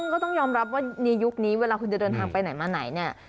ก็ต้องยอมรับว่าในยุคนี้เวลาคุณจะเดินทางไปไหนมาไหนเนี่ย